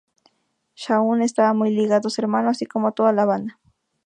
Shaun estaba muy ligado a su hermano, así como toda la banda.